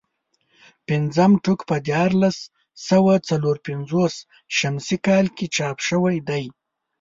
پنځم ټوک په دیارلس سوه څلور پنځوس شمسي کال کې چاپ شوی دی.